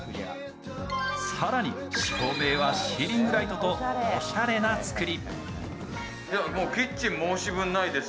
更に、照明はシーリングライトとおしゃれな作り。